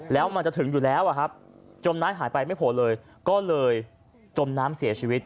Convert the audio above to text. แล้วมันจะถึงอยู่แล้วจมน้ำหายไปไม่โผล่เลยก็เลยจมน้ำเสียชีวิต